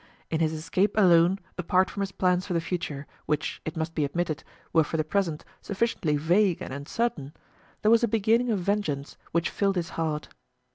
In his escape alone, apart from his plans for the future, which, it must be admitted, were for the present sufficiently vague and uncertain, there was a beginning of vengeance which filled his heart.